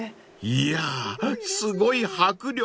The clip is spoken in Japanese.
［いやすごい迫力］